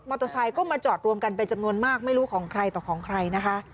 เตอร์ไซค์ก็มาจอดรวมกันเป็นจำนวนมากไม่รู้ของใครต่อของใครนะคะ